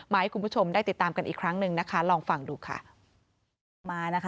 ให้คุณผู้ชมได้ติดตามกันอีกครั้งหนึ่งนะคะลองฟังดูค่ะมานะคะ